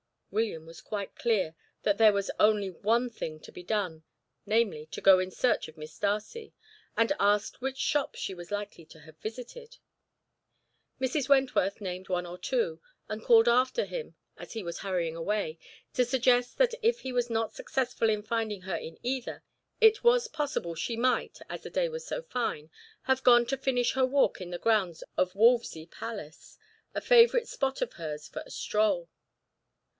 William was quite clear that there was only one thing to be done, namely, to go in search of Miss Darcy, and asked which shops she was likely to have visited. Mrs. Wentworth named one or two, and called after him as he was hurrying away, to suggest that if he was not successful in finding her in either, it was possible she might, as the day was so fine, have gone to finish her walk in the grounds of Wolvesey Palace, a favourite spot of hers for a stroll.